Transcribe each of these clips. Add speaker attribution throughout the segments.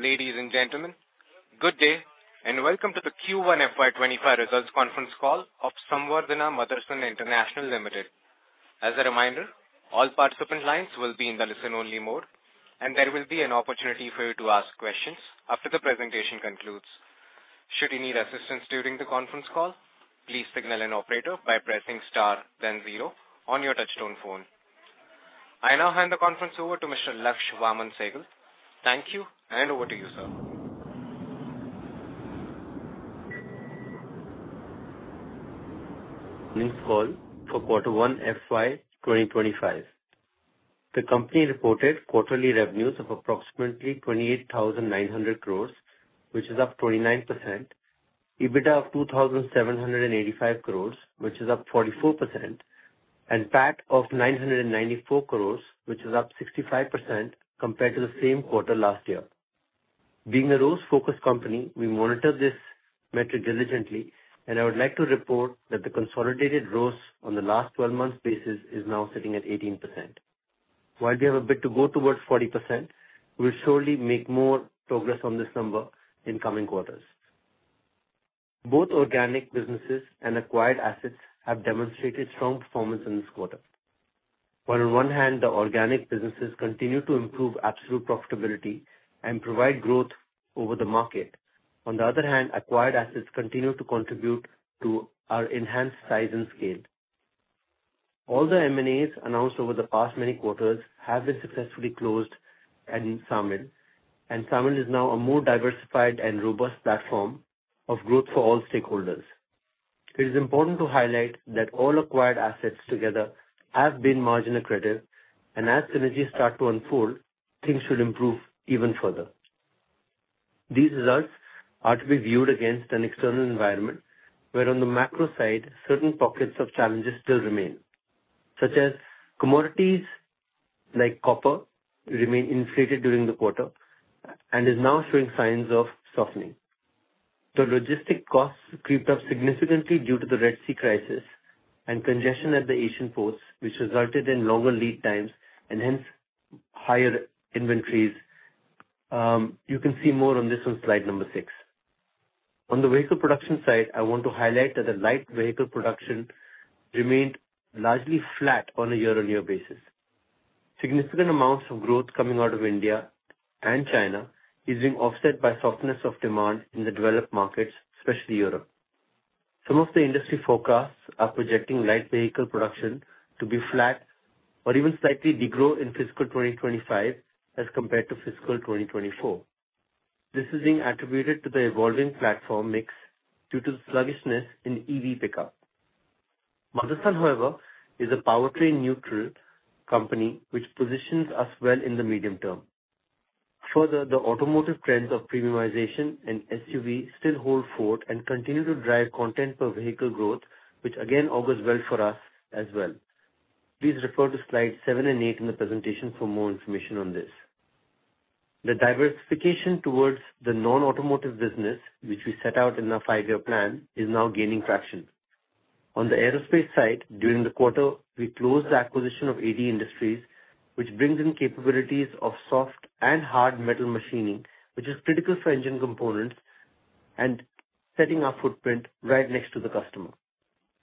Speaker 1: Ladies and gentlemen, good day, and welcome to the Q1 FY 2025 Results Conference Call of Samvardhana Motherson International Limited. As a reminder, all participant lines will be in the listen-only mode, and there will be an opportunity for you to ask questions after the presentation concludes. Should you need assistance during the conference call, please signal an operator by pressing star then zero on your touchtone phone. I now hand the conference over to Mr. Laksh Vaaman Sehgal. Thank you, and over to you, sir....
Speaker 2: This call for quarter one FY 2025. The company reported quarterly revenues of approximately 28,900 crore, which is up 29%, EBITDA of 2,785 crore, which is up 44%, and PAT of 994 crore, which is up 65% compared to the same quarter last year. Being a growth-focused company, we monitor this metric diligently, and I would like to report that the consolidated growth on the last twelve months basis is now sitting at 18%. While we have a bit to go towards 40%, we'll surely make more progress on this number in coming quarters. Both organic businesses and acquired assets have demonstrated strong performance in this quarter. While on one hand, the organic businesses continue to improve absolute profitability and provide growth over the market, on the other hand, acquired assets continue to contribute to our enhanced size and scale. All the M&As announced over the past many quarters have been successfully closed at SAMIL, and SAMIL is now a more diversified and robust platform of growth for all stakeholders. It is important to highlight that all acquired assets together have been margin accretive, and as synergies start to unfold, things should improve even further. These results are to be viewed against an external environment, where on the macro side, certain pockets of challenges still remain, such as commodities like copper remain inflated during the quarter and is now showing signs of softening. The logistic costs crept up significantly due to the Red Sea crisis and congestion at the Asian ports, which resulted in longer lead times and hence higher inventories. You can see more on this on slide number six. On the vehicle production side, I want to highlight that the light vehicle production remained largely flat on a year-on-year basis. Significant amounts of growth coming out of India and China is being offset by softness of demand in the developed markets, especially Europe. Some of the industry forecasts are projecting light vehicle production to be flat or even slightly degrow in fiscal 2025 as compared to fiscal 2024. This is being attributed to the evolving platform mix due to sluggishness in EV pickup. Motherson, however, is a powertrain-neutral company, which positions us well in the medium term. Further, the automotive trends of premiumization and SUV still hold forth and continue to drive content per vehicle growth, which again augurs well for us as well. Please refer to slides seven and eight in the presentation for more information on this. The diversification towards the non-automotive business, which we set out in our five-year plan, is now gaining traction. On the aerospace side, during the quarter, we closed the acquisition of AD Industries, which brings in capabilities of soft and hard metal machining, which is critical for engine components and setting our footprint right next to the customer.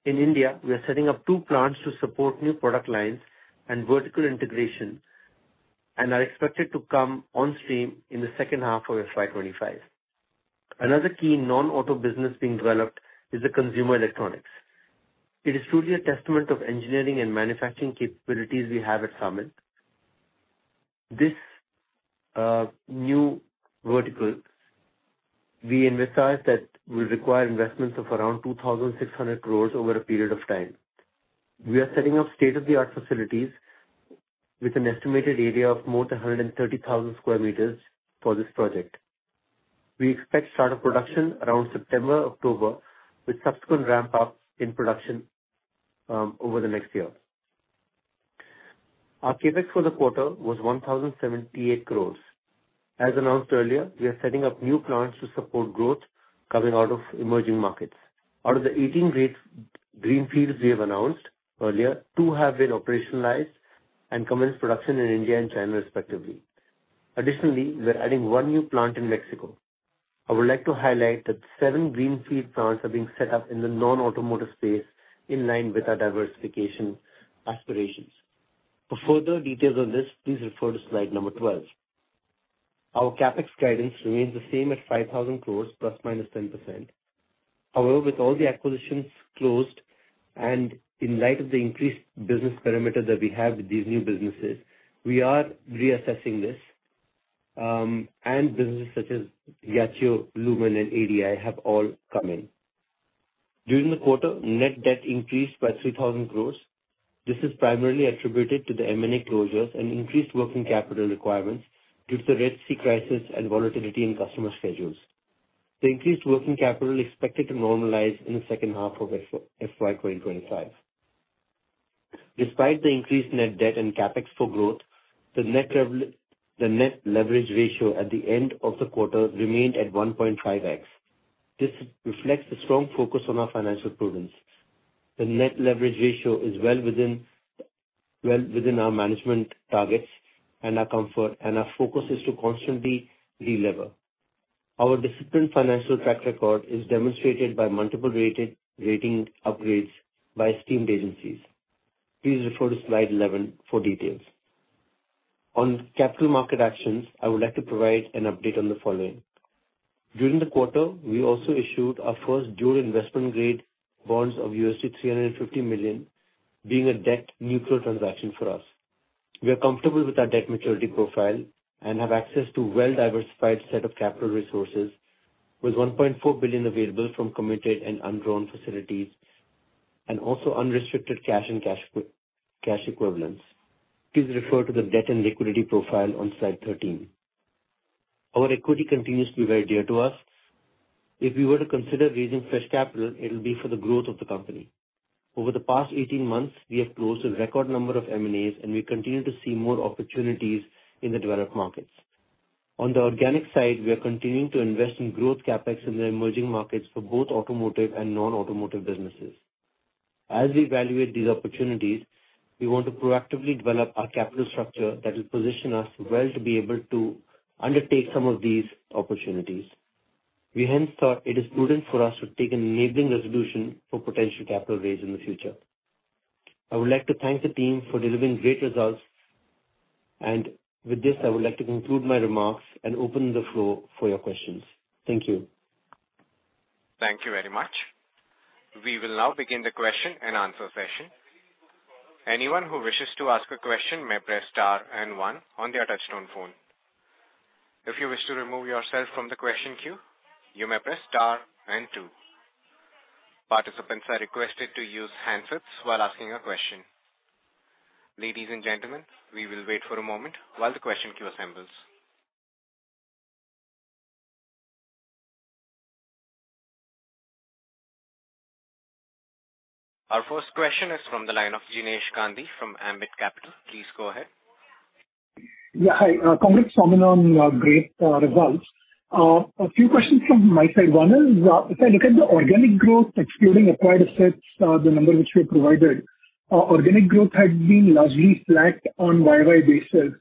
Speaker 2: In India, we are setting up two plants to support new product lines and vertical integration and are expected to come on stream in the second half of FY 2025. Another key non-auto business being developed is the consumer electronics. It is truly a testament of engineering and manufacturing capabilities we have at SAMIL. This new vertical, we envisage that will require investments of around 2,600 crore over a period of time. We are setting up state-of-the-art facilities with an estimated area of more than 130,000 sq m for this project. We expect start of production around September, October, with subsequent ramp-up in production over the next year. Our CapEx for the quarter was 1,078 crore. As announced earlier, we are setting up new plants to support growth coming out of emerging markets. Out of the 18 greenfields we have announced earlier, two have been operationalized and commenced production in India and China, respectively. Additionally, we're adding one new plant in Mexico. I would like to highlight that seven greenfield plants are being set up in the non-automotive space in line with our diversification aspirations. For further details on this, please refer to slide number 12. Our CapEx guidance remains the same at 5,000 crores ±10%. However, with all the acquisitions closed and in light of the increased business perimeter that we have with these new businesses, we are reassessing this, and businesses such as Yachiyo, Lumen, and AD Industries have all come in. During the quarter, net debt increased by 3,000 crores. This is primarily attributed to the M&A closures and increased working capital requirements due to the Red Sea crisis and volatility in customer schedules. The increased working capital is expected to normalize in the second half of FY 2025. Despite the increased net debt and CapEx for growth, the net rev, the net leverage ratio at the end of the quarter remained at 1.5x. This reflects the strong focus on our financial prudence. The net leverage ratio is well within our management targets and our comfort, and our focus is to constantly deliver. Our disciplined financial track record is demonstrated by multiple rating upgrades by esteemed agencies. Please refer to slide 11 for details. On capital market actions, I would like to provide an update on the following. During the quarter, we also issued our first dual investment grade bonds of $350 million, being a debt neutral transaction for us. We are comfortable with our debt maturity profile and have access to well-diversified set of capital resources, with $1.4 billion available from committed and undrawn facilities, and also unrestricted cash and cash equivalents. Please refer to the debt and liquidity profile on slide 13. Our equity continues to be very dear to us. If we were to consider raising fresh capital, it will be for the growth of the company. Over the past 18 months, we have closed a record number of M&As, and we continue to see more opportunities in the developed markets. On the organic side, we are continuing to invest in growth CapEx in the emerging markets for both automotive and non-automotive businesses. As we evaluate these opportunities, we want to proactively develop our capital structure that will position us well to be able to undertake some of these opportunities. We hence thought it is prudent for us to take an enabling resolution for potential capital raise in the future. I would like to thank the team for delivering great results, and with this, I would like to conclude my remarks and open the floor for your questions. Thank you.
Speaker 1: Thank you very much. We will now begin the question and answer session. Anyone who wishes to ask a question may press star and one on their touch-tone phone. If you wish to remove yourself from the question queue, you may press star and two. Participants are requested to use handsets while asking a question. Ladies and gentlemen, we will wait for a moment while the question queue assembles. Our first question is from the line of Jinesh Gandhi from Ambit Capital. Please go ahead.
Speaker 3: Yeah. Hi, congrats, Motherson, on great results. A few questions from my side. One is, if I look at the organic growth excluding acquired assets, the number which you provided, organic growth had been largely flat on YY basis.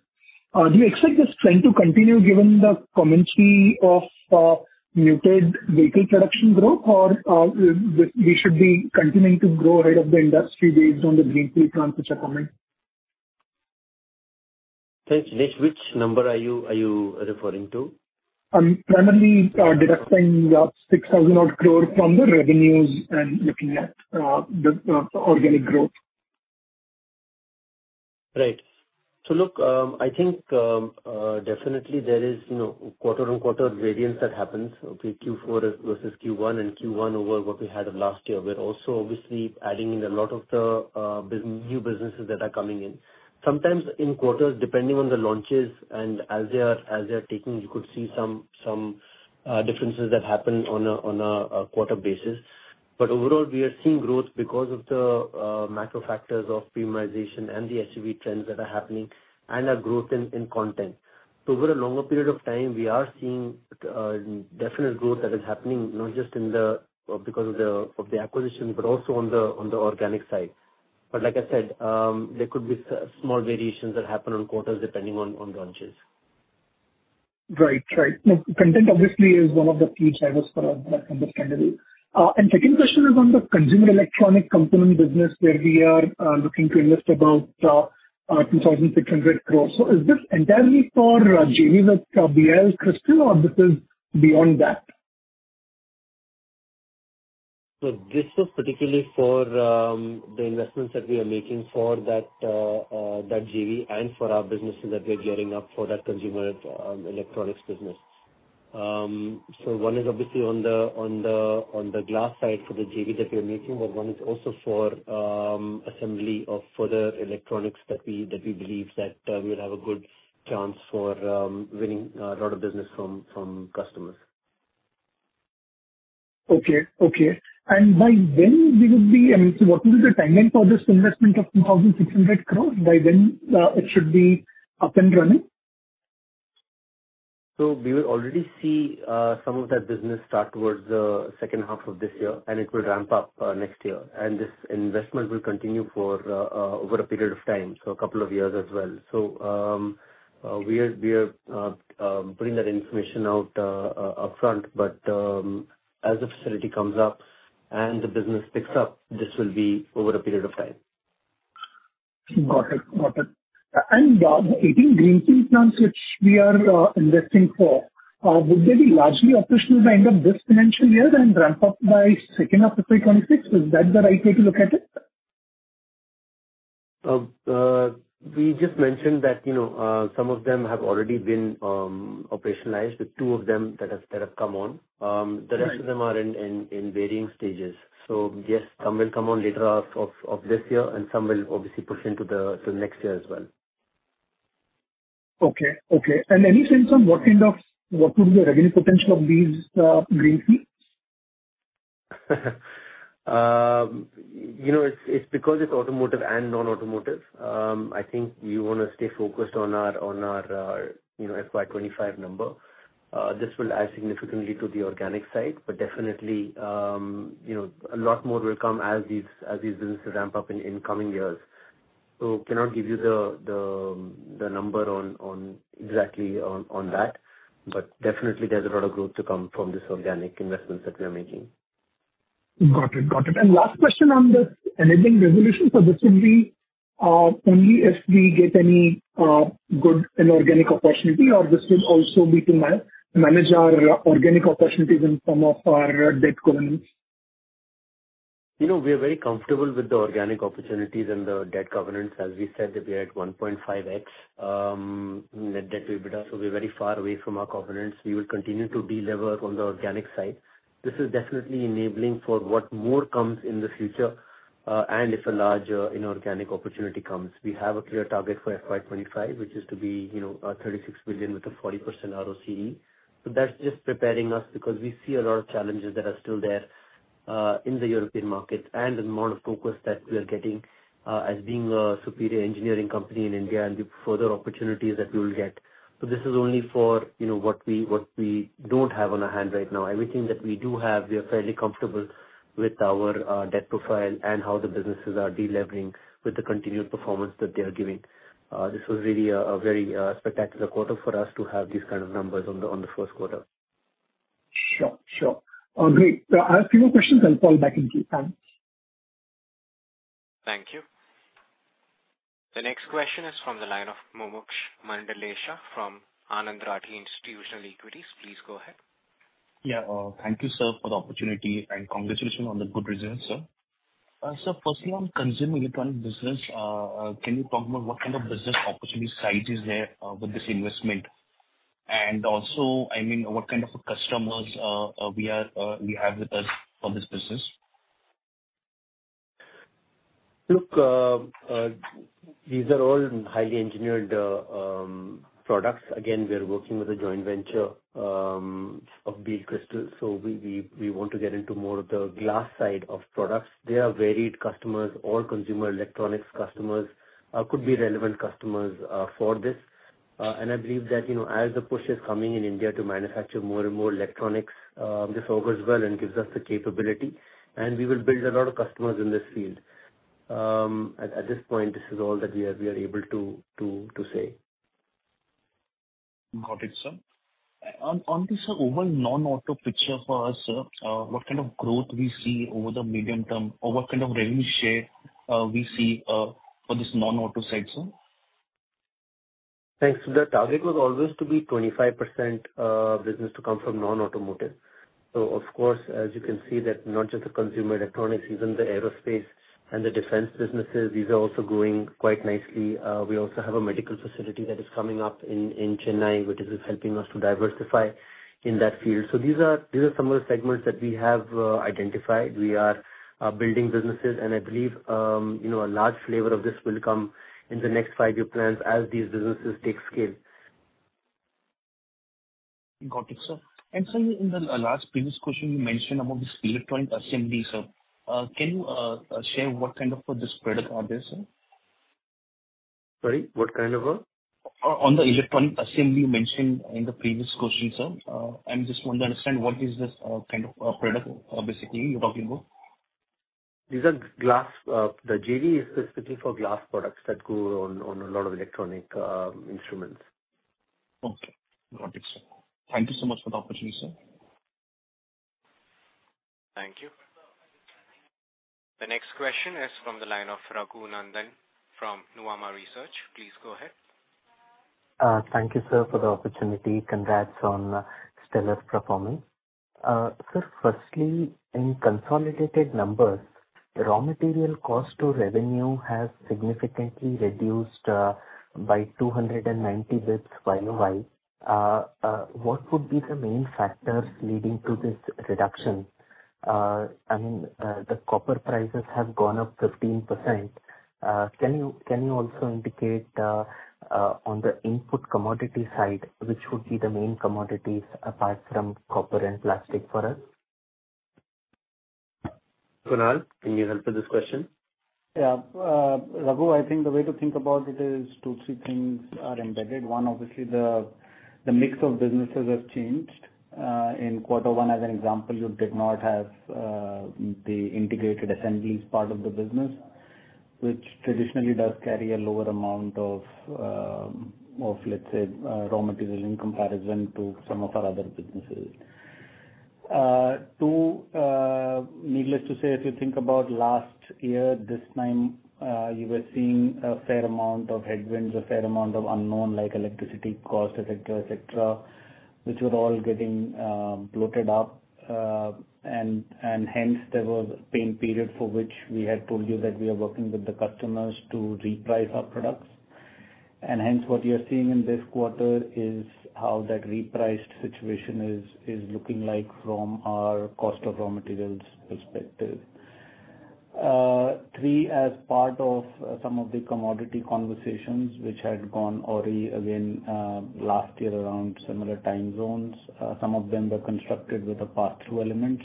Speaker 3: Do you expect this trend to continue given the commentary of muted vehicle production growth, or we should be continuing to grow ahead of the industry based on the Greenfield plans which are coming?
Speaker 2: Thanks, Jinesh. Which number are you referring to?
Speaker 3: I'm primarily deducting the 6,000-odd crore from the revenues and looking at the organic growth.
Speaker 2: Right. So look, I think, definitely there is, you know, quarter-on-quarter variance that happens, okay? Q4 versus Q1 and Q1 over what we had last year. We're also obviously adding in a lot of the, new businesses that are coming in. Sometimes in quarters, depending on the launches and as they are, as they are taking, you could see some, some, differences that happen on a, on a, a quarter basis. But overall, we are seeing growth because of the, macro factors of premiumization and the SUV trends that are happening and a growth in, in content. So over a longer period of time, we are seeing, definite growth that is happening, not just in the, because of the, of the acquisition, but also on the, on the organic side. But like I said, there could be small variations that happen on quarters, depending on launches.
Speaker 3: Right. Right. Content obviously is one of the key drivers for us, understandably. Second question is on the consumer electronic component business, where we are looking to invest about 2,600 crores. So is this entirely for JV with Biel Crystal, or this is beyond that?
Speaker 2: So this is particularly for the investments that we are making for that JV and for our businesses that we're gearing up for that consumer electronics business. So one is obviously on the glass side for the JV that we are making, but one is also for assembly of further electronics that we believe that we'll have a good chance for winning a lot of business from customers.
Speaker 3: Okay. Okay. And by when we would be... I mean, so what will be the timeline for this investment of 2,600 crore? By when, it should be up and running?
Speaker 2: So we will already see some of that business start towards the second half of this year, and it will ramp up next year. And this investment will continue for over a period of time, so a couple of years as well. So we are bringing that information out upfront, but as the facility comes up and the business picks up, this will be over a period of time.
Speaker 3: Got it. Got it. And, the 18 Greenfield plants which we are investing for would they be largely operational by end of this financial year and ramp up by second half of 2026? Is that the right way to look at it?
Speaker 2: We just mentioned that, you know, some of them have already been operationalized, the two of them that have come on.
Speaker 3: Right.
Speaker 2: The rest of them are in varying stages. So yes, some will come on later half of this year, and some will obviously push into next year as well.
Speaker 3: Okay. Okay. And any sense on what kind of what would be the revenue potential of these greenfields?
Speaker 2: You know, it's because it's automotive and non-automotive. I think we wanna stay focused on our FY 2025 number. This will add significantly to the organic side, but definitely, you know, a lot more will come as these businesses ramp up in coming years. So cannot give you the number on exactly that. But definitely there's a lot of growth to come from this organic investments that we are making.
Speaker 3: Got it. Got it. And last question on this enabling resolution. So this will be only if we get any good inorganic opportunity, or this will also be to manage our organic opportunities in some of our debt covenants?
Speaker 2: You know, we are very comfortable with the organic opportunities and the debt covenants. As we said, that we are at 1.5x net debt to EBITDA, so we're very far away from our covenants. We will continue to delever on the organic side. This is definitely enabling for what more comes in the future, and if a larger inorganic opportunity comes. We have a clear target for FY 2025, which is to be, you know, 36 billion with a 40% ROCE. But that's just preparing us because we see a lot of challenges that are still there, in the European market and in the amount of focus that we are getting, as being a superior engineering company in India and the further opportunities that we will get. This is only for, you know, what we don't have on hand right now. Everything that we do have, we are fairly comfortable with our debt profile and how the businesses are delevering with the continued performance that they are giving. This was really a very spectacular quarter for us to have these kind of numbers on the first quarter.
Speaker 3: Sure, sure. Great. I have a few more questions. I'll call back into you. Thanks.
Speaker 1: Thank you. The next question is from the line of Mumuksh Mandlesha from Anand Rathi Institutional Equities. Please go ahead.
Speaker 4: Yeah, thank you, sir, for the opportunity, and congratulations on the good results, sir. Sir, firstly, on consumer electronics business, can you talk about what kind of business opportunity size is there, with this investment? And also, I mean, what kind of customers we are, we have with us for this business?
Speaker 2: Look, these are all highly engineered products. Again, we are working with a joint venture of Biel Crystal, so we want to get into more of the glass side of products. They are varied customers. All consumer electronics customers could be relevant customers for this. And I believe that, you know, as the push is coming in India to manufacture more and more electronics, this augurs well and gives us the capability, and we will build a lot of customers in this field. At this point, this is all that we are able to say.
Speaker 4: Got it, sir. On this overall non-auto picture for us, sir, what kind of growth we see over the medium term, or what kind of revenue share we see for this non-auto side, sir?
Speaker 2: Thanks. The target was always to be 25%, business to come from non-automotive. So of course, as you can see, that not just the consumer electronics, even the aerospace and the defense businesses, these are also growing quite nicely. We also have a medical facility that is coming up in Chennai, which is helping us to diversify in that field. So these are some of the segments that we have identified. We are building businesses, and I believe, you know, a large flavor of this will come in the next five-year plans as these businesses take scale.
Speaker 4: Got it, sir. And sir, in the last previous question, you mentioned about this electronic assembly, sir. Can you share what kind of this product are there, sir?
Speaker 2: Sorry, what kind of a?
Speaker 4: On the electronic assembly you mentioned in the previous question, sir. I just want to understand what is this, kind of a product, basically you're talking about?
Speaker 2: These are glass. The JV is specifically for glass products that go on a lot of electronic instruments.
Speaker 4: Okay. Got it, sir. Thank you so much for the opportunity, sir.
Speaker 1: Thank you. The next question is from the line of Raghunandhan N.L. from Nuvama Research. Please go ahead.
Speaker 5: Thank you, sir, for the opportunity. Congrats on stellar performance. Sir, firstly, in consolidated numbers, raw material cost to revenue has significantly reduced by 290 basis points year-over-year. What could be the main factors leading to this reduction? I mean, the copper prices have gone up 15%. Can you also indicate on the input commodity side, which would be the main commodities apart from copper and plastic for us?
Speaker 2: Kunal, can you help with this question?
Speaker 6: Yeah. Raghu, I think the way to think about it is two, three things are embedded. One, obviously, the mix of businesses has changed. In quarter one, as an example, you did not have the integrated assemblies part of the business, which traditionally does carry a lower amount of, of, let's say, raw material in comparison to some of our other businesses. Two, needless to say, if you think about last year, this time, you were seeing a fair amount of headwinds, a fair amount of unknown, like electricity costs, et cetera, et cetera, which were all getting bloated up. And hence there was a pain period for which we had told you that we are working with the customers to reprice our products. Hence, what you're seeing in this quarter is how that repriced situation is looking like from our cost of raw materials perspective. Three, as part of some of the commodity conversations which had gone already again last year around similar time zones, some of them were constructed with the pass-through elements,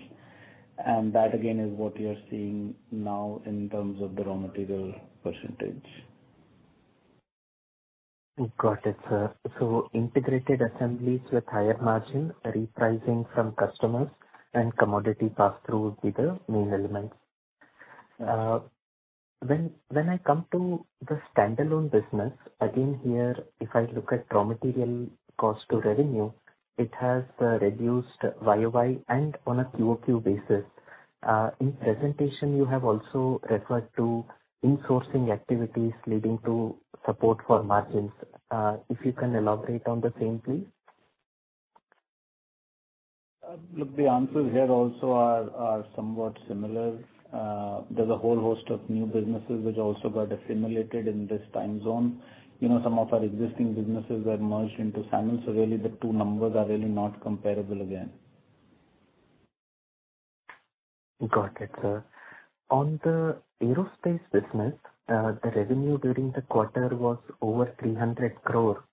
Speaker 6: and that again is what we are seeing now in terms of the raw material percentage.
Speaker 5: Got it, sir. So integrated assemblies with higher margin, repricing from customers and commodity pass-through will be the main elements. When I come to the standalone business, again, here, if I look at raw material cost to revenue, it has reduced YoY and on a QoQ basis. In presentation, you have also referred to insourcing activities leading to support for margins. If you can elaborate on the same, please.
Speaker 6: Look, the answers here also are somewhat similar. There's a whole host of new businesses which also got assimilated in this time zone. You know, some of our existing businesses were merged into SMR, so really, the two numbers are really not comparable again.
Speaker 5: Got it, sir. On the Aerospace business, the revenue during the quarter was over 300 crore.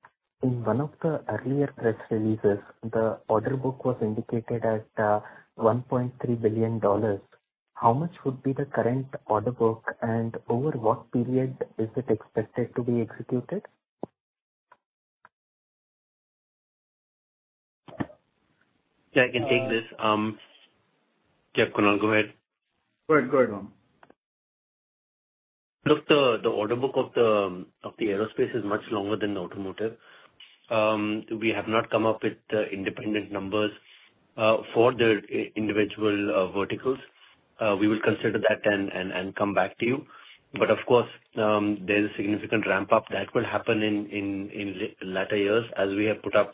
Speaker 5: In one of the earlier press releases, the order book was indicated at $1.3 billion. How much would be the current order book, and over what period is it expected to be executed?
Speaker 2: Yeah, I can take this. Yeah, Kunal, go ahead.
Speaker 6: Go ahead. Go ahead, Vaaman.
Speaker 2: Look, the order book of the aerospace is much longer than the automotive. We have not come up with independent numbers for the individual verticals. We will consider that and come back to you. But of course, there's a significant ramp-up that will happen in latter years, as we have put up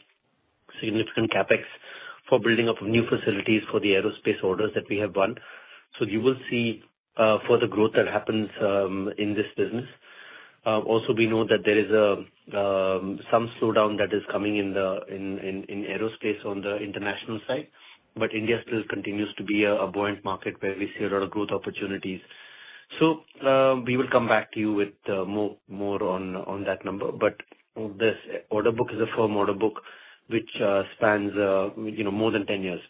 Speaker 2: significant CapEx for building up new facilities for the Aerospace orders that we have won. So you will see further growth that happens in this business. Also, we know that there is some slowdown that is coming in Aerospace on the international side, but India still continues to be a buoyant market where we see a lot of growth opportunities. We will come back to you with more on that number. But this order book is a firm order book, which spans, you know, more than 10 years.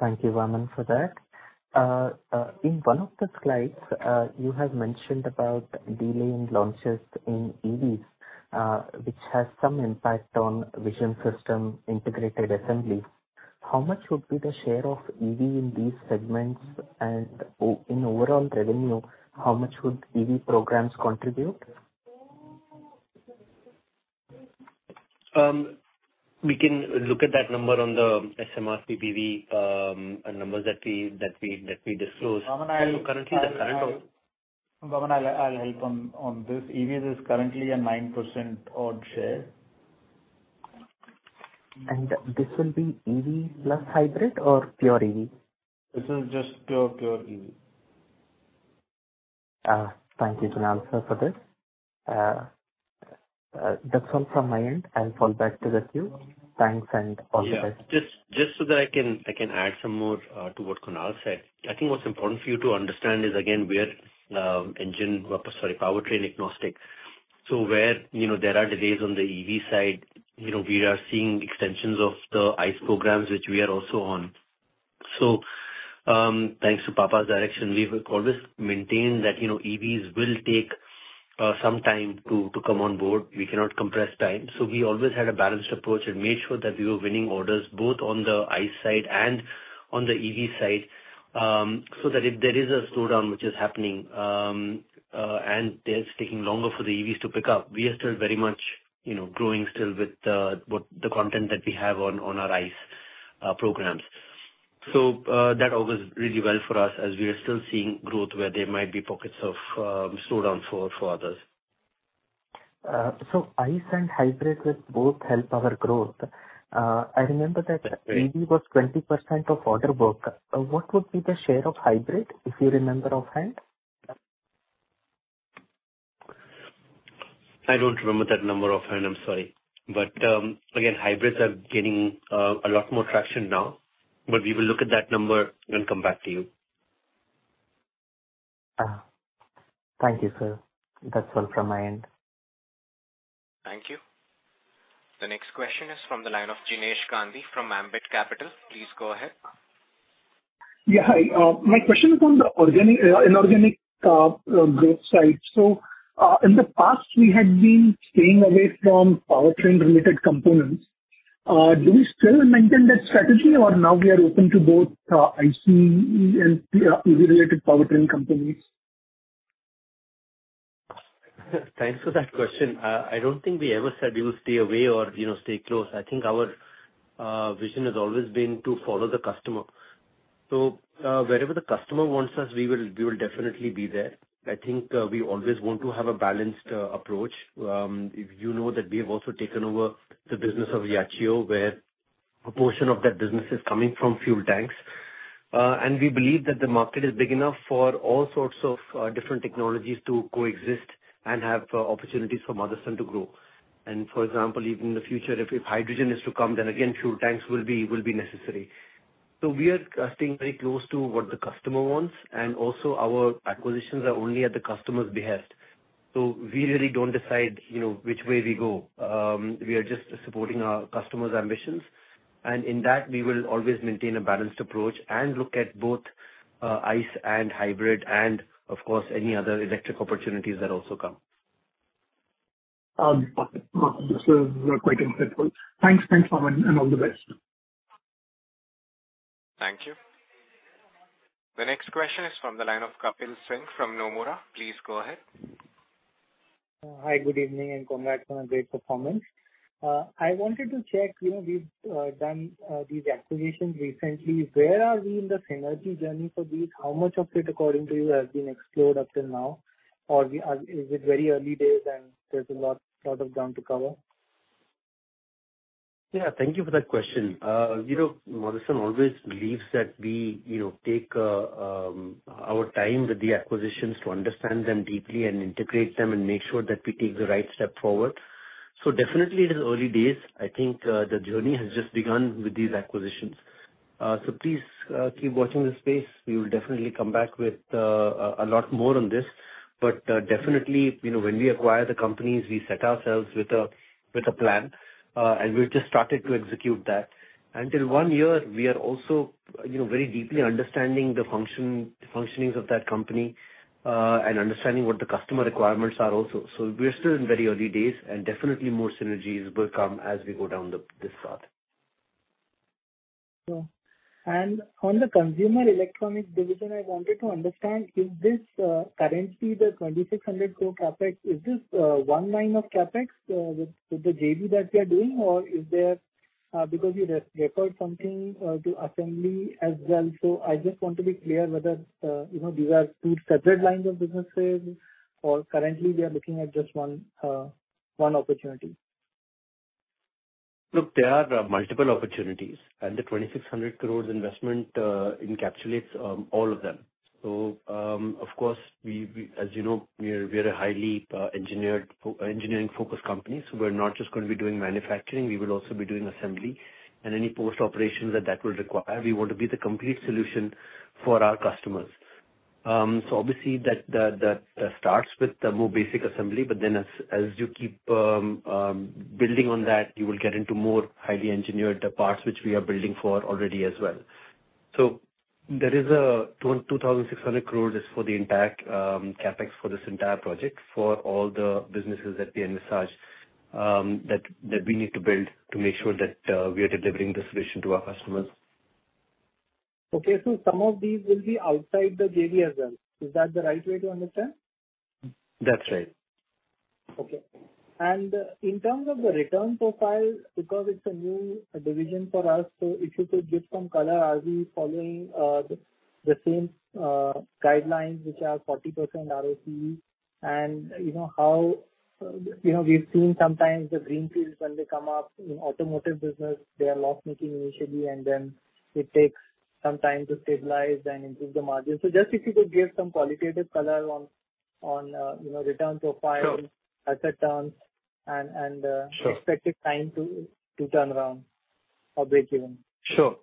Speaker 5: Thank you, Vaaman, for that. In one of the slides, you have mentioned about delaying launches in EVs, which has some impact on vision system integrated assembly. How much would be the share of EV in these segments? And in overall revenue, how much would EV programs contribute?
Speaker 2: We can look at that number on the SMRPBV numbers that we disclose.
Speaker 6: Vaman, I'll-
Speaker 2: So, currently, the current of-
Speaker 6: Vaaman, I'll help on this. EVs is currently a 9% odd share.
Speaker 5: This will be EV plus hybrid or pure EV?
Speaker 6: This is just pure, pure EV.
Speaker 5: Thank you, Kunal, sir, for this. That's all from my end. I'll fall back to the queue. Thanks, and all the best.
Speaker 2: Yeah. Just, just so that I can, I can add some more to what Kunal said. I think what's important for you to understand is, again, we are engine, sorry, powertrain agnostic. So where, you know, there are delays on the EV side, you know, we are seeing extensions of the ICE programs, which we are also on. So, thanks to Papa's direction, we've always maintained that, you know, EVs will take some time to come on Board. We cannot compress time. So we always had a balanced approach and made sure that we were winning orders, both on the ICE side and on the EV side. So that if there is a slowdown, which is happening, and it's taking longer for the EVs to pick up, we are still very much, you know, growing still with what the content that we have on our ICE programs. So that bodes really well for us, as we are still seeing growth where there might be pockets of slowdown for others.
Speaker 5: So ICE and hybrid will both help our growth. I remember that-
Speaker 2: Right.
Speaker 5: EV was 20% of order book. What would be the share of hybrid, if you remember offhand?
Speaker 2: I don't remember that number offhand. I'm sorry. But, again, hybrids are gaining a lot more traction now, but we will look at that number and come back to you.
Speaker 5: Thank you, sir. That's all from my end.
Speaker 1: Thank you. The next question is from the line of Jinesh Gandhi from Ambit Capital. Please go ahead.
Speaker 3: Yeah, hi. My question is on the organic, inorganic growth side. So, in the past, we had been staying away from powertrain-related components. Do we still maintain that strategy, or now we are open to both ICE and EV-related powertrain companies?
Speaker 2: Thanks for that question. I don't think we ever said we will stay away or, you know, stay close. I think our vision has always been to follow the customer. So, wherever the customer wants us, we will, we will definitely be there. I think, we always want to have a balanced approach. If you know that we have also taken over the business of Yachiyo, where a portion of that business is coming from fuel tanks. And we believe that the market is big enough for all sorts of different technologies to coexist and have opportunities for Motherson to grow. And, for example, even in the future, if, if hydrogen is to come, then again, fuel tanks will be, will be necessary. So we are staying very close to what the customer wants, and also our acquisitions are only at the customer's behest. So we really don't decide, you know, which way we go. We are just supporting our customers' ambitions… And in that, we will always maintain a balanced approach and look at both, ICE and hybrid and of course, any other electric opportunities that also come.
Speaker 3: Perfect. So you're quite helpful. Thanks. Thanks, Aman, and all the best.
Speaker 1: Thank you. The next question is from the line of Kapil Singh from Nomura. Please go ahead.
Speaker 7: Hi, good evening, and congrats on a great performance. I wanted to check, you know, we've done these acquisitions recently. Where are we in the synergy journey for these? How much of it, according to you, has been explored up till now? Or we are. Is it very early days and there's a lot, lot of ground to cover?
Speaker 2: Yeah, thank you for that question. You know, Motherson always believes that we, you know, take our time with the acquisitions to understand them deeply and integrate them, and make sure that we take the right step forward. So definitely it is early days. I think, the journey has just begun with these acquisitions. So please, keep watching this space. We will definitely come back with a lot more on this. But, definitely, you know, when we acquire the companies, we set ourselves with a, with a plan, and we've just started to execute that. And till one year, we are also, you know, very deeply understanding the function, functioning of that company, and understanding what the customer requirements are also. So we're still in very early days, and definitely more synergies will come as we go down this path.
Speaker 7: Sure. And on the consumer electronic division, I wanted to understand, is this currently the 2,600 crore CapEx, is this one line of CapEx with the JV that we are doing? Or is there... Because you recorded something to assembly as well. So I just want to be clear whether, you know, these are two separate lines of businesses, or currently we are looking at just one opportunity.
Speaker 2: Look, there are multiple opportunities, and the 2,600 crore investment encapsulates all of them. So, of course, we, we as you know, we are, we are a highly engineered engineering-focused company, so we're not just going to be doing manufacturing, we will also be doing assembly and any post operations that that will require. We want to be the complete solution for our customers. So obviously that, the, that starts with the more basic assembly, but then as, as you keep building on that, you will get into more highly engineered parts, which we are building for already as well. There is 2,600 crore for the entire CapEx for this entire project, for all the businesses that we envisage that we need to build to make sure that we are delivering the solution to our customers.
Speaker 7: Okay. So some of these will be outside the JV as well. Is that the right way to understand?
Speaker 2: That's right.
Speaker 7: Okay. And in terms of the return profile, because it's a new division for us, so if you could just some color, are we following the same guidelines, which are 40% ROCE? And you know how, you know, we've seen sometimes the greenfields when they come up in automotive business, they are loss-making initially, and then it takes some time to stabilize and improve the margin. So just if you could give some qualitative color on, you know, return profile-
Speaker 2: Sure.
Speaker 7: Asset terms
Speaker 2: Sure.
Speaker 7: Expected time to turn around or break even.
Speaker 2: Sure.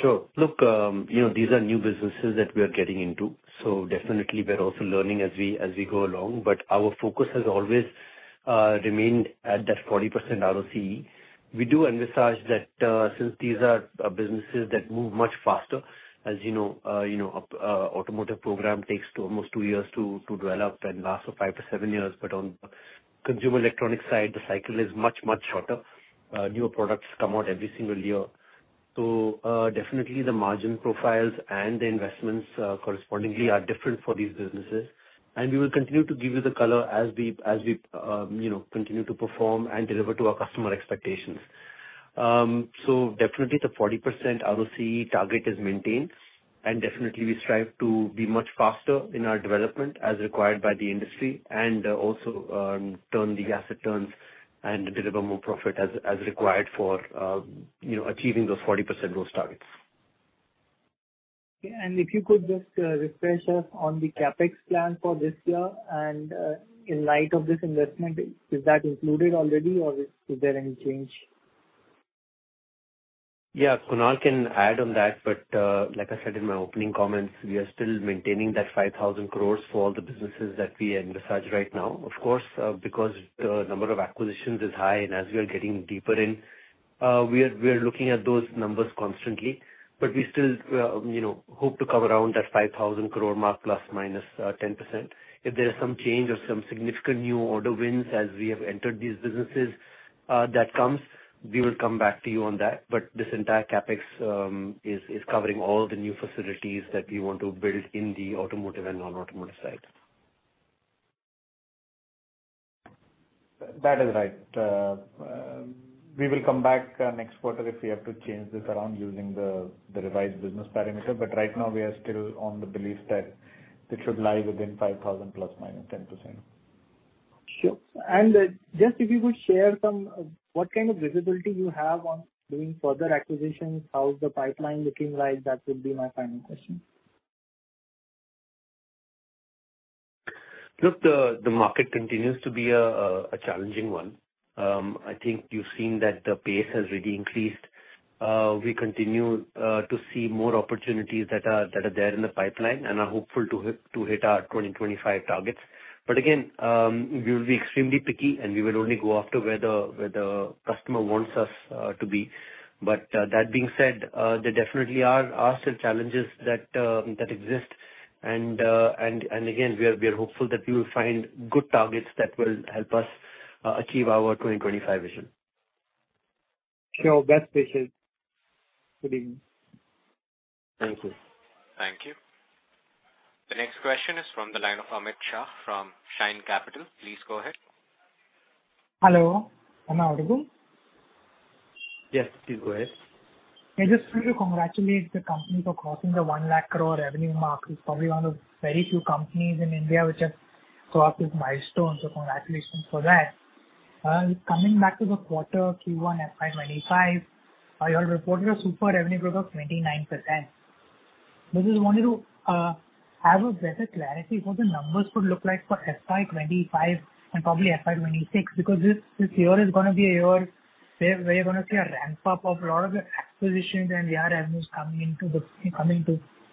Speaker 2: Sure. Look, you know, these are new businesses that we are getting into, so definitely we're also learning as we go along. But our focus has always remained at that 40% ROCE. We do envisage that, since these are businesses that move much faster, as you know, you know, automotive program takes almost two years to develop and last for five to seven years. But on consumer electronic side, the cycle is much, much shorter. Newer products come out every single year. So, definitely the margin profiles and the investments correspondingly are different for these businesses. And we will continue to give you the color as we, you know, continue to perform and deliver to our customer expectations. So definitely the 40% ROCE target is maintained, and definitely we strive to be much faster in our development as required by the industry, and also turn the asset turns and deliver more profit as required for, you know, achieving those 40% growth targets.
Speaker 7: Yeah, and if you could just refresh us on the CapEx plan for this year, and in light of this investment, is that included already or is there any change?
Speaker 2: Yeah, Kunal can add on that, but, like I said in my opening comments, we are still maintaining that 5,000 crore for all the businesses that we envisage right now. Of course, because the number of acquisitions is high, and as we are getting deeper in, we are looking at those numbers constantly. But we still, you know, hope to come around that 5,000 crore mark ±10%. If there is some change or some significant new order wins as we have entered these businesses, that comes, we will come back to you on that. But this entire CapEx is covering all the new facilities that we want to build in the automotive and non-automotive side.
Speaker 6: That is right. We will come back next quarter if we have to change this around using the revised business parameter. But right now we are still on the belief that it should lie within 5,000 ±10%.
Speaker 7: Sure. Just if you could share some... What kind of visibility you have on doing further acquisitions? How's the pipeline looking like? That would be my final question.
Speaker 2: Look, the market continues to be a challenging one. I think you've seen that the pace has really increased. We continue to see more opportunities that are there in the pipeline, and are hopeful to hit our 2025 targets. But again, we will be extremely picky, and we will only go after where the customer wants us to be. But, that being said, there definitely are still challenges that exist. And again, we are hopeful that we will find good targets that will help us achieve our 2025 vision.
Speaker 7: Sure. Best wishes for the...
Speaker 2: Thank you.
Speaker 1: Thank you. The next question is from the line of Amit Shah from Shine Capital. Please go ahead.
Speaker 8: Hello, am I audible?
Speaker 2: Yes, please go ahead.
Speaker 8: I just want to congratulate the company for crossing the 100,000 crore revenue mark. It's probably one of the very few companies in India which have crossed this milestone, so congratulations for that. Coming back to the quarter Q1 FY 2025, you all reported a superb revenue growth of 29%. I just wanted to have a better clarity what the numbers would look like for FY 2025 and probably FY 2026, because this, this year is gonna be a year where, where you're gonna see a ramp up of a lot of the acquisitions and your revenues coming into the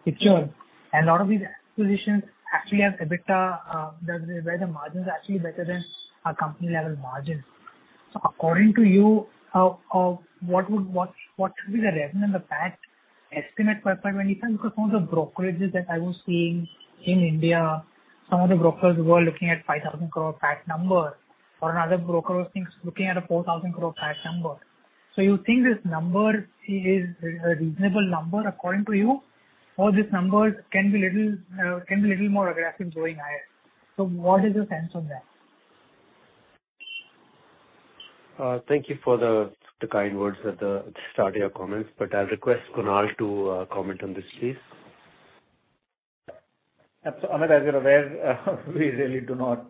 Speaker 8: picture. And a lot of these acquisitions actually have EBITDA where the margins are actually better than our company level margins. So according to you, what would, what, what should be the revenue and the PAT estimate for FY 2025? Because some of the brokerages that I was seeing in India, some of the brokers were looking at 5,000 crore PAT number, or another broker was looking at a 4,000 crore PAT number. So you think this number is a reasonable number according to you, or this number can be little, can be a little more aggressive going higher? So what is your sense on that?
Speaker 2: Thank you for the, the kind words at the start of your comments, but I'll request Kunal to comment on this, please.
Speaker 6: So, Amit, as you're aware, we really do not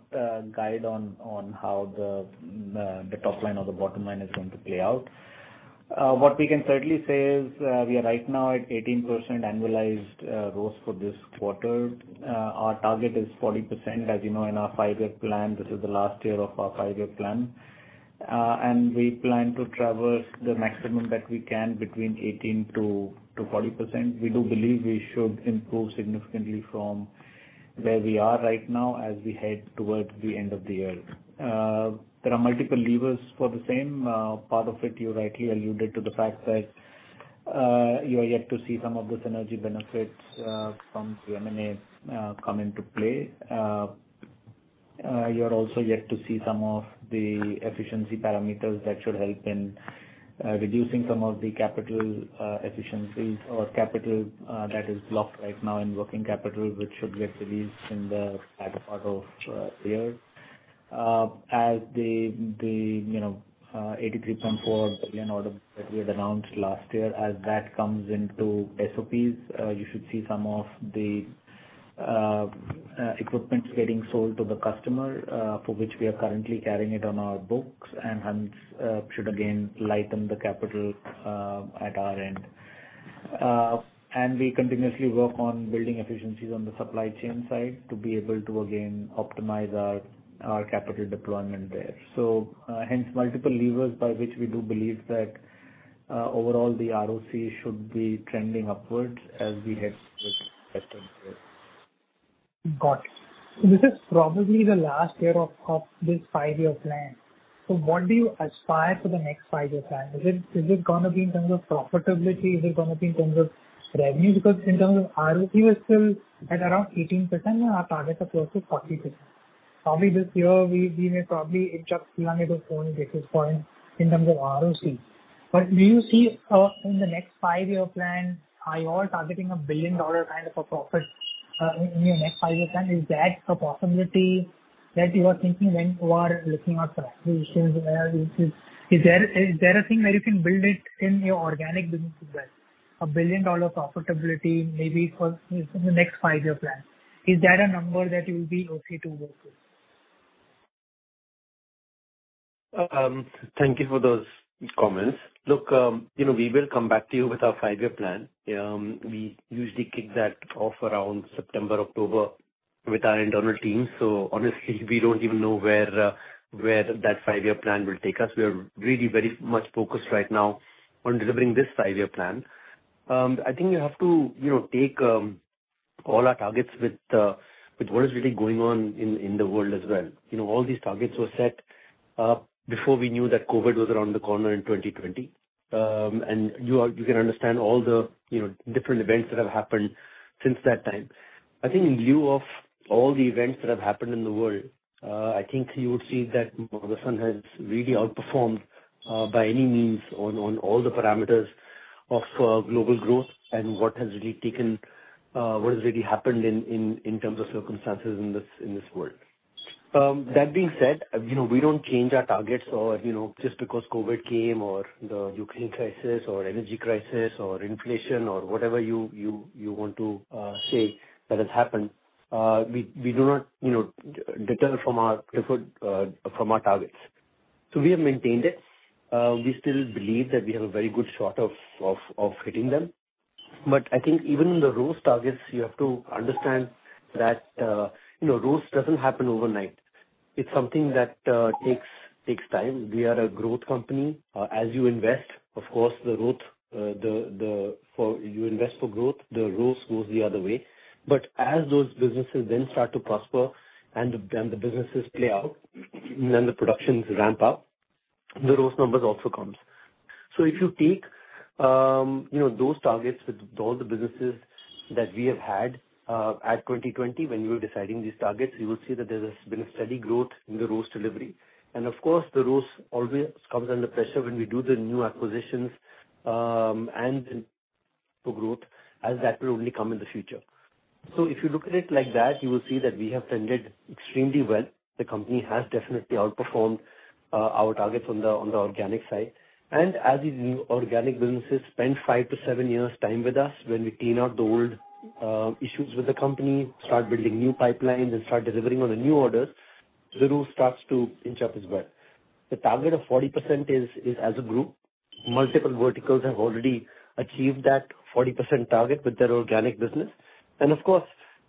Speaker 6: guide on how the top line or the bottom line is going to play out. What we can certainly say is, we are right now at 18% annualized growth for this quarter. Our target is 40%. As you know, in our five-year plan, this is the last year of our five-year plan. We plan to traverse the maximum that we can between 18%-40%. We do believe we should improve significantly from where we are right now as we head towards the end of the year. There are multiple levers for the same. Part of it, you rightly alluded to the fact that you are yet to see some of the synergy benefits from the M&As come into play. You're also yet to see some of the efficiency parameters that should help in reducing some of the capital efficiencies or capital that is blocked right now in working capital, which should get released in the latter part of the year. As you know, the 83.4 billion order that we had announced last year, as that comes into SOPs, you should see some of the equipment getting sold to the customer for which we are currently carrying it on our books, and hence should again lighten the capital at our end. And we continuously work on building efficiencies on the supply chain side to be able to again optimize our capital deployment there. Hence, multiple levers by which we do believe that, overall, the ROCE should be trending upwards as we head with better years.
Speaker 8: Got it. This is probably the last year of this five-year plan. So what do you aspire for the next five-year plan? Is it gonna be in terms of profitability? Is it gonna be in terms of revenue? Because in terms of ROC, you are still at around 18%, and our targets are close to 40%. Probably this year, we may probably adjust one to four basis points in terms of ROCE. But do you see in the next five-year plan, are you all targeting a $1 billion kind of a profit in your next five-year plan? Is that a possibility that you are thinking when you are looking at strategy issues? Is there a thing where you can build it in your organic business as well, a $1 billion profitability maybe for the next five-year plan? Is that a number that you'll be okay to work with?
Speaker 2: Thank you for those comments. Look, you know, we will come back to you with our five-year plan. We usually kick that off around September, October, with our internal team. So honestly, we don't even know where, where that five-year plan will take us. We are really very much focused right now on delivering this five-year plan. I think you have to, you know, take, all our targets with, with what is really going on in, in the world as well. You know, all these targets were set, before we knew that COVID was around the corner in 2020. And you can understand all the, you know, different events that have happened since that time. I think in lieu of all the events that have happened in the world, I think you would see that Motherson has really outperformed, by any means on all the parameters of global growth and what has really taken, what has really happened in terms of circumstances in this world. That being said, you know, we don't change our targets or, you know, just because COVID came, or the Ukraine crisis, or energy crisis, or inflation, or whatever you want to say that has happened, we do not, you know, deter from our effort, from our targets. So we have maintained it. We still believe that we have a very good shot of hitting them. But I think even in the ROCE targets, you have to understand that, you know, ROCE doesn't happen overnight. It's something that takes time. We are a growth company. As you invest, of course, the growth, for you invest for growth, the ROCE goes the other way. But as those businesses then start to prosper and then the businesses play out, then the productions ramp up, the ROCE numbers also comes. So if you take, you know, those targets with all the businesses that we have had, at 2020 when we were deciding these targets, you will see that there has been a steady growth in the ROCE delivery. And of course, the ROCE always comes under pressure when we do the new acquisitions, and then for growth, as that will only come in the future. So if you look at it like that, you will see that we have tended extremely well. The company has definitely outperformed our targets on the organic side. And as these new organic businesses spend five to seven years time with us, when we clean out the old issues with the company, start building new pipelines and start delivering on the new orders, the ROCE starts to inch up as well. The target of 40% is as a group. Multiple verticals have already achieved that 40% target with their organic business. And of course,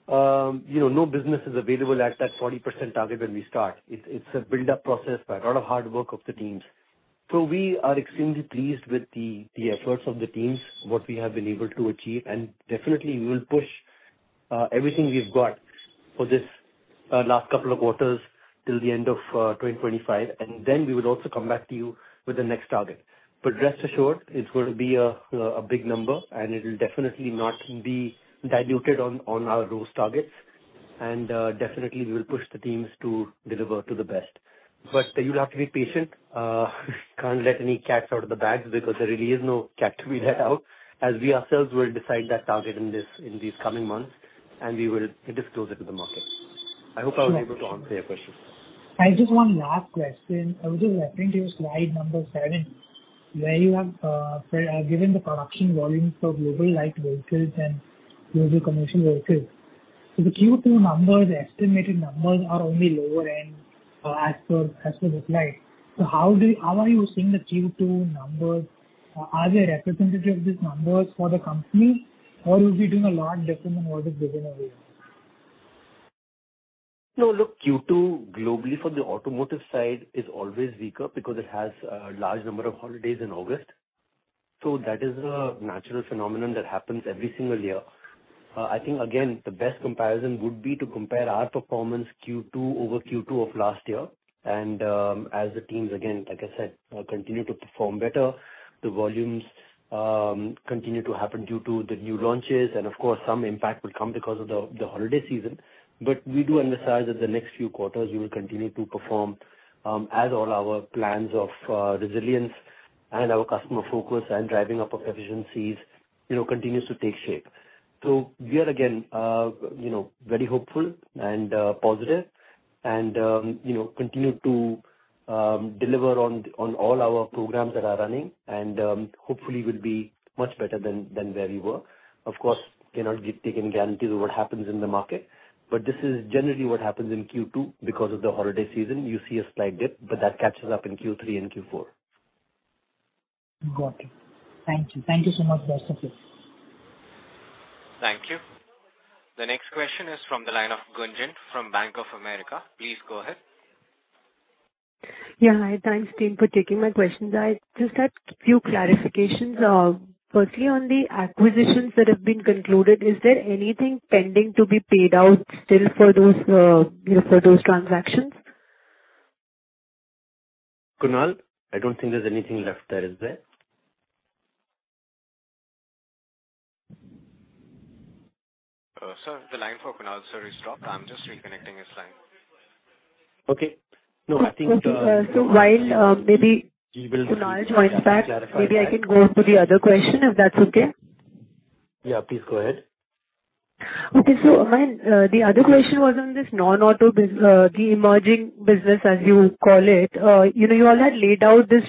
Speaker 2: you know, no business is available at that 40% target when we start. It's a build-up process by a lot of hard work of the teams. So we are extremely pleased with the, the efforts of the teams, what we have been able to achieve, and definitely we will push everything we've got for this last couple of quarters till the end of 2025, and then we will also come back to you with the next target. But rest assured, it's going to be a a big number, and it will definitely not be diluted on, on our ROCE targets. And definitely we will push the teams to deliver to the best. But you'll have to be patient. Can't let any cats out of the bags because there really is no cat to be let out, as we ourselves will decide that target in this, in these coming months, and we will disclose it to the market. I hope I was able to answer your question.
Speaker 8: I just one last question. I was just referring to your slide number seven, where you have given the production volumes for global light vehicles and global commercial vehicles. So the Q2 numbers, the estimated numbers, are only lower end, as per, as per the slide. So how do you, how are you seeing the Q2 numbers? Are they representative of these numbers for the company, or you'll be doing a lot different than what is given over here?
Speaker 2: No, look, Q2 globally for the automotive side is always weaker because it has a large number of holidays in August. So that is a natural phenomenon that happens every single year. I think, again, the best comparison would be to compare our performance Q2 over Q2 of last year. And, as the teams, again, like I said, continue to perform better, the volumes, continue to happen due to the new launches, and of course, some impact will come because of the holiday season. But we do emphasize that the next few quarters, we will continue to perform, as all our plans of resilience and our customer focus and driving up of efficiencies, you know, continues to take shape. So we are again, you know, very hopeful and positive and, you know, continue to deliver on all our programs that are running, and hopefully will be much better than where we were. Of course, cannot give or take any guarantees of what happens in the market, but this is generally what happens in Q2. Because of the holiday season, you see a slight dip, but that catches up in Q3 and Q4.
Speaker 8: Got it. Thank you. Thank you so much for your support.
Speaker 1: Thank you. The next question is from the line of Gunjan from Bank of America. Please go ahead.
Speaker 9: Yeah. Hi. Thanks, team, for taking my questions. I just had few clarifications. Firstly, on the acquisitions that have been concluded, is there anything pending to be paid out still for those, you know, for those transactions?
Speaker 2: Kunal, I don't think there's anything left there, is there?
Speaker 1: Sir, the line for Kunal, sir, is dropped. I'm just reconnecting his line.
Speaker 2: Okay. No, I think,
Speaker 9: Okay. So while, maybe-
Speaker 2: He will-
Speaker 9: Kunal joins back-
Speaker 2: - clarify that.
Speaker 9: Maybe I can go to the other question, if that's okay.
Speaker 2: Yeah, please go ahead.
Speaker 9: Okay, so my other question was on this non-auto business, the emerging business, as you call it. You know, you all had laid out this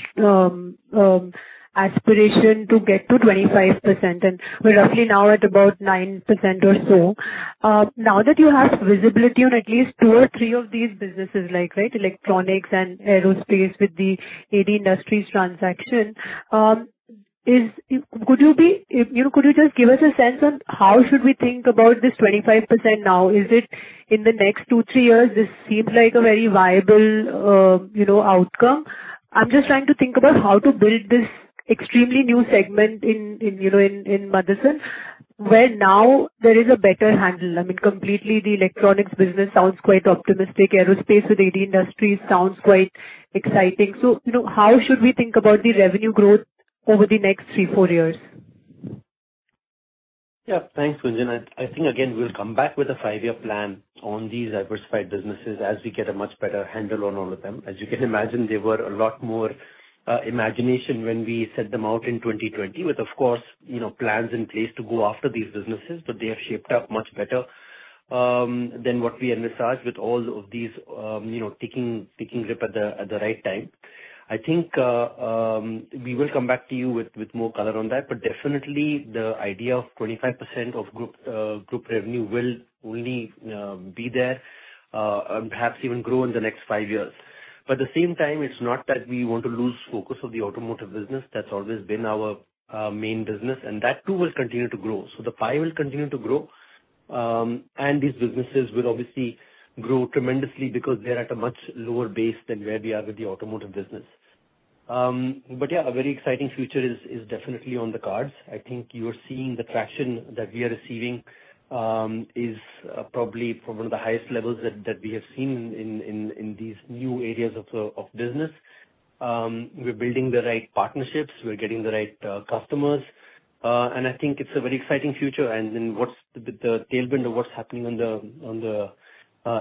Speaker 9: aspiration to get to 25%, and we're roughly now at about 9% or so. Now that you have visibility on at least two or three of these businesses, like, right, electronics and aerospace with the AD Industries transaction, is. Could you be, you know, could you just give us a sense on how should we think about this 25% now? Is it in the next two, three years; this seems like a very viable, you know, outcome. I'm just trying to think about how to build this extremely new segment in, in, you know, in Motherson, where now there is a better handle. I mean, completely, the electronics business sounds quite optimistic. Aerospace with AD Industries sounds quite exciting. So, you know, how should we think about the revenue growth over the next three to four years?
Speaker 2: Yeah. Thanks, Gunjan. I think, again, we'll come back with a five-year plan on these diversified businesses as we get a much better handle on all of them. As you can imagine, they were a lot more imagination when we set them out in 2020, with, of course, you know, plans in place to go after these businesses, but they have shaped up much better than what we envisaged with all of these, you know, taking grip at the right time. I think we will come back to you with more color on that, but definitely the idea of 25% of group revenue will only be there and perhaps even grow in the next five years. But at the same time, it's not that we want to lose focus of the automotive business. That's always been our main business, and that, too, will continue to grow. So the five will continue to grow. And these businesses will obviously grow tremendously because they're at a much lower base than where we are with the automotive business. But yeah, a very exciting future is definitely on the cards. I think you're seeing the traction that we are receiving is probably from one of the highest levels that we have seen in these new areas of business. We're building the right partnerships, we're getting the right customers, and I think it's a very exciting future. And then what's the tailwind of what's happening on the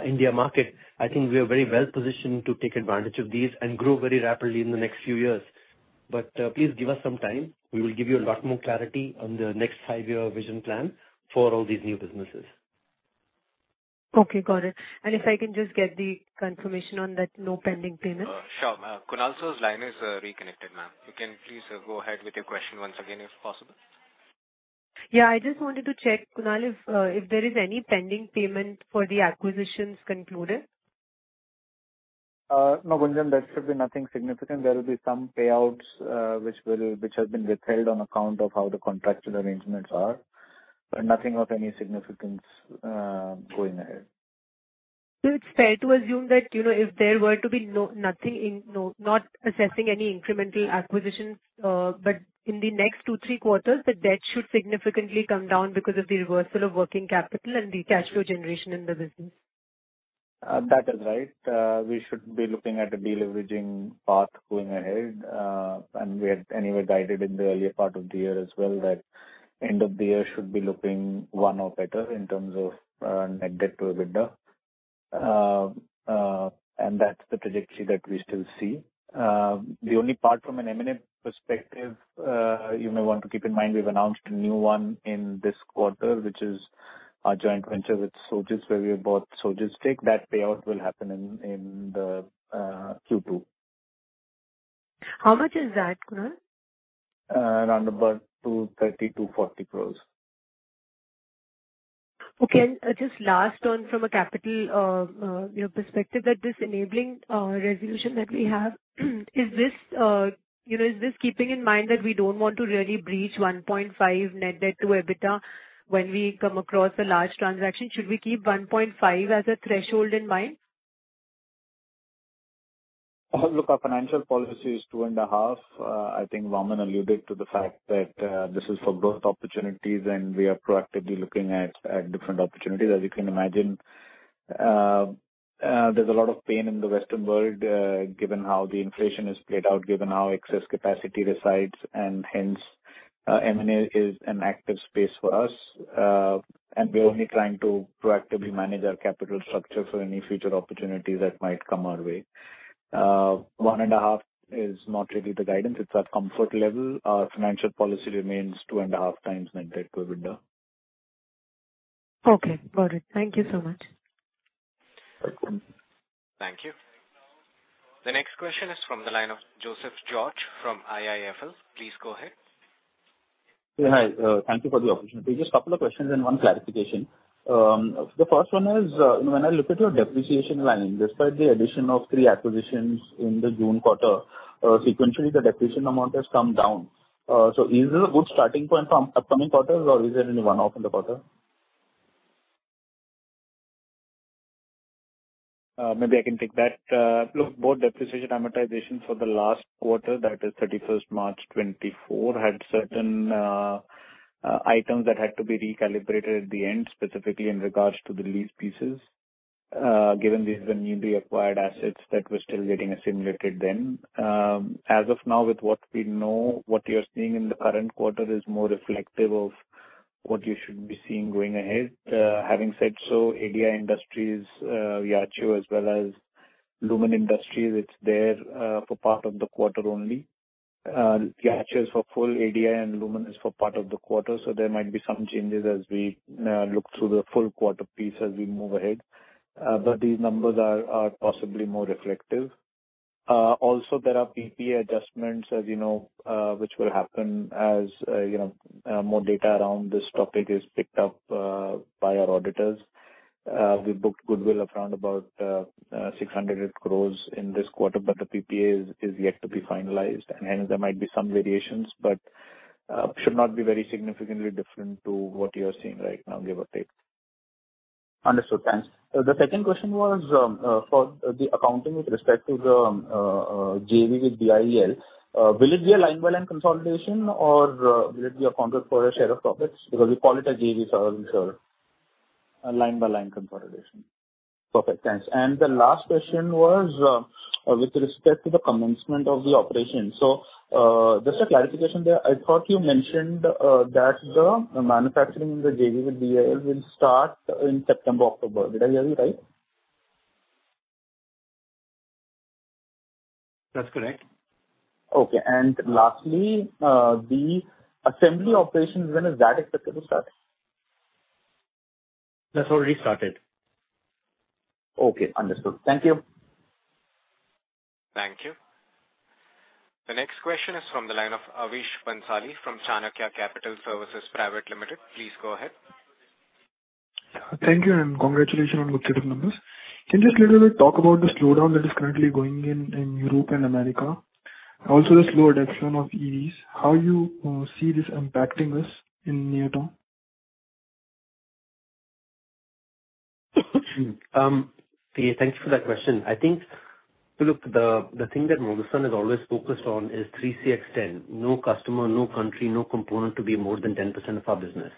Speaker 2: India market, I think we are very well positioned to take advantage of these and grow very rapidly in the next few years. But please give us some time. We will give you a lot more clarity on the next 5-year vision plan for all these new businesses.
Speaker 9: Okay, got it. If I can just get the confirmation on that no pending payment?
Speaker 2: Sure, ma'am. Kunal sir's line is reconnected, ma'am. You can please go ahead with your question once again, if possible.
Speaker 9: Yeah, I just wanted to check, Kunal, if there is any pending payment for the acquisitions concluded?
Speaker 6: No, Gunjan, there should be nothing significant. There will be some payouts, which have been withheld on account of how the contractual arrangements are, but nothing of any significance going ahead.
Speaker 9: So it's fair to assume that, you know, if there were to be not assessing any incremental acquisitions, but in the next two, three quarters, the debt should significantly come down because of the reversal of working capital and the cash flow generation in the business.
Speaker 6: That is right. We should be looking at a deleveraging path going ahead. And we had anyway guided in the earlier part of the year as well, that end of the year should be looking one or better in terms of net debt to EBITDA. And that's the trajectory that we still see. The only part from an M&A perspective, you may want to keep in mind, we've announced a new one in this quarter, which is a joint venture with Sojitz, where we have bought Sojitz stake. That payout will happen in, in the, Q2.
Speaker 9: How much is that, Kunal?
Speaker 6: Around about 230-240 crores.
Speaker 9: Okay. And just last one from a capital, you know, perspective that this enabling, resolution that we have, is this, you know, is this keeping in mind that we don't want to really breach 1.5 net debt to EBITDA when we come across a large transaction? Should we keep 1.5 as a threshold in mind?
Speaker 6: Look, our financial policy is 2.5. I think Vaaman alluded to the fact that this is for growth opportunities, and we are proactively looking at different opportunities. As you can imagine, there's a lot of pain in the Western world, given how the inflation is played out, given how excess capacity resides, and hence, M&A is an active space for us. And we're only trying to proactively manage our capital structure for any future opportunities that might come our way. 1.5 is not really the guidance, it's our comfort level. Our financial policy remains 2.5 times net debt to EBITDA.
Speaker 9: Okay, got it. Thank you so much.
Speaker 6: Welcome.
Speaker 1: Thank you. The next question is from the line of Joseph George from IIFL. Please go ahead.
Speaker 10: Yeah, hi, thank you for the opportunity. Just a couple of questions and one clarification. The first one is, when I look at your depreciation line, despite the addition of three acquisitions in the June quarter, sequentially, the depreciation amount has come down. So is this a good starting point from upcoming quarters, or is there any one-off in the quarter?
Speaker 6: Maybe I can take that. Look, both depreciation amortization for the last quarter, that is 31st March 2024, had certain items that had to be recalibrated at the end, specifically in regards to the lease pieces. Given these are newly acquired assets that were still getting assimilated then. As of now, with what we know, what you're seeing in the current quarter is more reflective of what you should be seeing going ahead. Having said so, AD Industries, Yachiyo as well as Lumen, it's there for part of the quarter only. Yachiyo is for full, AD Industries and Lumen is for part of the quarter, so there might be some changes as we look through the full quarter piece as we move ahead. But these numbers are possibly more reflective. Also, there are PPA adjustments, as you know, which will happen as, you know, more data around this topic is picked up by our auditors. We booked goodwill of around about 600 crore in this quarter, but the PPA is yet to be finalized. And hence there might be some variations, but should not be very significantly different to what you are seeing right now, give or take.
Speaker 10: Understood. Thanks. The second question was, for the accounting with respect to the, JV with BIEL, will it be a line by line consolidation or, will it be accounted for a share of profits? Because we call it a JV, so I wasn't sure.
Speaker 6: A line by line consolidation.
Speaker 10: Perfect. Thanks. And the last question was, with respect to the commencement of the operation. So, just a clarification there. I thought you mentioned that the manufacturing in the JV with BIEL will start in September, October. Did I hear you right?
Speaker 6: That's correct.
Speaker 10: Okay. And lastly, the assembly operations, when is that expected to start?
Speaker 6: That's already started.
Speaker 10: Okay, understood. Thank you.
Speaker 1: Thank you. The next question is from the line of Avish Bhansali from Chanakya Capital Services Private Limited. Please go ahead.
Speaker 11: Thank you, and congratulations on the set of numbers. Can you just a little bit talk about the slowdown that is currently going in, in Europe and America? Also, the slow adoption of EVs, how you see this impacting us in the near term?
Speaker 2: Yeah, thank you for that question. I think, look, the thing that Motherson is always focused on is 3CX10: no customer, no country, no component to be more than 10% of our business.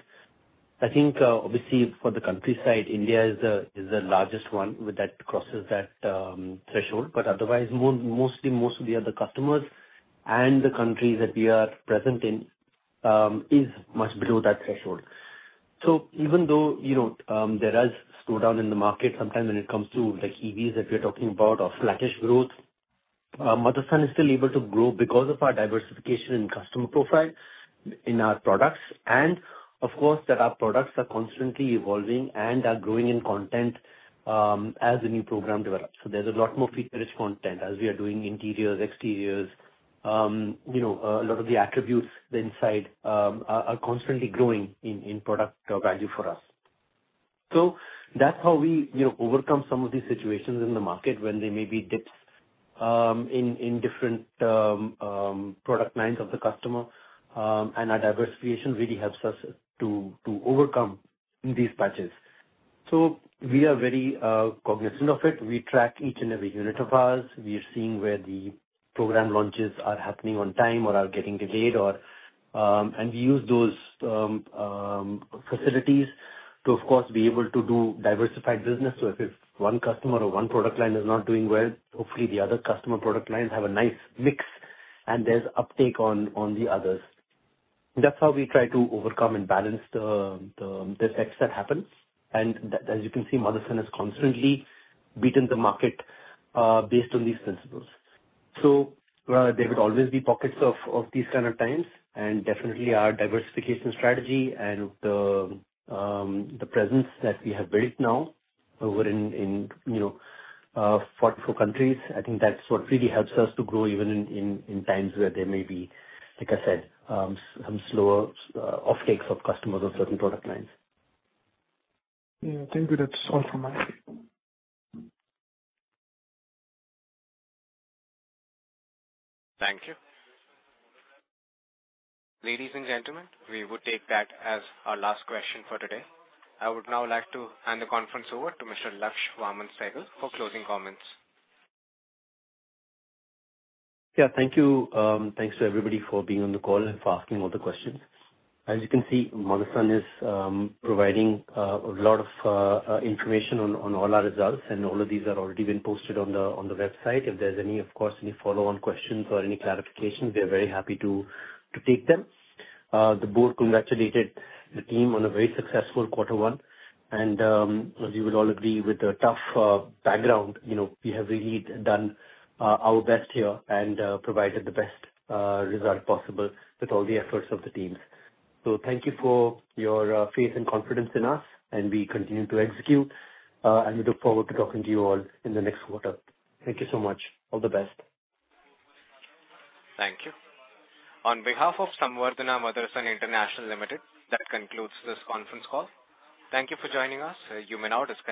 Speaker 2: I think, obviously, for the country side, India is the largest one that crosses that threshold, but otherwise, mostly, most of the other customers and the countries that we are present in is much below that threshold. So even though, you know, there is slowdown in the market, sometimes when it comes to like EVs, that we are talking about or sluggish growth, Motherson is still able to grow because of our diversification in customer profile, in our products, and of course, that our products are constantly evolving and are growing in content, as the new program develops. So there's a lot more feature-rich content as we are doing interiors, exteriors, you know, a lot of the attributes inside, are constantly growing in product value for us. So that's how we, you know, overcome some of these situations in the market when there may be dips in different product lines of the customer. And our diversification really helps us to overcome these patches. So we are very cognizant of it. We track each and every unit of ours. We are seeing where the program launches are happening on time or are getting delayed or. And we use those facilities to, of course, be able to do diversified business. So if one customer or one product line is not doing well, hopefully, the other customer product lines have a nice mix and there's uptake on, on the others. That's how we try to overcome and balance the effects that happen. And as you can see, Motherson has constantly beaten the market based on these principles. So there would always be pockets of these kind of times, and definitely our diversification strategy and the presence that we have built now over in, in you know, 44 countries, I think that's what really helps us to grow, even in times where there may be, like I said, some slower offtakes of customers or certain product lines.
Speaker 11: Yeah, thank you. That's all from my end.
Speaker 1: Thank you. Ladies and gentlemen, we would take that as our last question for today. I would now like to hand the conference over to Mr. Laksh Vaaman Sehgal for closing comments.
Speaker 2: Yeah, thank you. Thanks to everybody for being on the call and for asking all the questions. As you can see, Motherson is providing a lot of information on all our results, and all of these are already been posted on the website. If there's any, of course, any follow-on questions or any clarifications, we are very happy to take them. The board congratulated the team on a very successful quarter one, and as you would all agree with the tough background, you know, we have really done our best here and provided the best result possible with all the efforts of the teams. So thank you for your faith and confidence in us, and we continue to execute and we look forward to talking to you all in the next quarter. Thank you so much. All the best.
Speaker 1: Thank you. On behalf of Samvardhana Motherson International Limited, that concludes this conference call. Thank you for joining us. You may now disconnect.